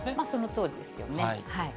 そのとおりですね。